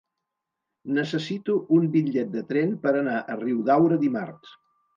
Necessito un bitllet de tren per anar a Riudaura dimarts.